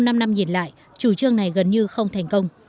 trong năm năm nhìn lại chủ trương này gần như không thành công